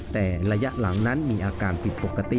แต่ระยะหลังนั้นมีอาการผิดปกติ